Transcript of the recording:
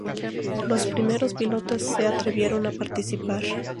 Los primeros pilotos que se atrevieron a participar.